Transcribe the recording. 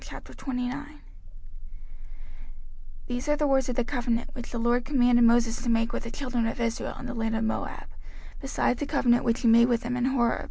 05:029:001 These are the words of the covenant, which the LORD commanded Moses to make with the children of Israel in the land of Moab, beside the covenant which he made with them in Horeb.